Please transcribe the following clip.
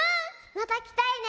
またきたいね。